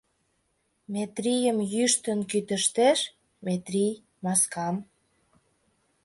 Метрийым йӱштын кӱтыштеш, Метрий — маскам.